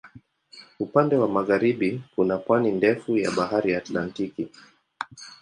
Upande wa magharibi kuna pwani ndefu ya Bahari Atlantiki.